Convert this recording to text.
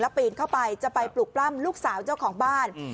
ปีนเข้าไปจะไปปลุกปล้ำลูกสาวเจ้าของบ้าน